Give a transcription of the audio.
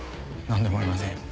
何でもありません。